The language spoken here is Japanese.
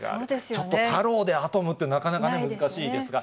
ちょっと太郎であとむってなかなか難しいですが。